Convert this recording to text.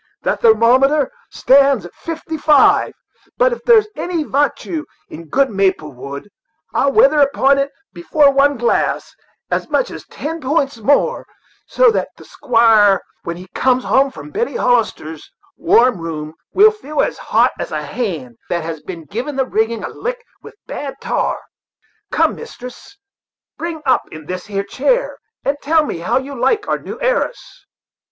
The thermometer stands now at fifty five, but if there's any vartue in good maple wood, I'll weather upon it, before one glass, as much as ten points more, so that the squire, when he comes home from Betty Hollister's warm room, will feel as hot as a hand that has given the rigging a lick with bad tar. Come, mistress, bring up in this here chair, and tell me how you like our new heiress."